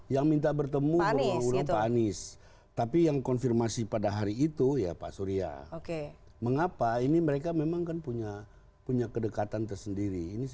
yang minta bertemu berulang ulang pak anies